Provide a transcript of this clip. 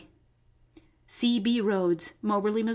C. B. Rodes, Moberly, Mo.